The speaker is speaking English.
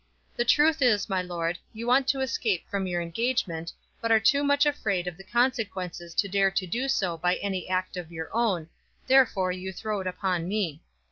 The truth is, my lord, you want to escape from your engagement, but are too much afraid of the consequences to dare to do so by any act of your own; therefore you throw it upon me.